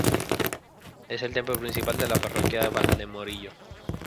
Es el templo principal de la parroquia de Valdemorillo.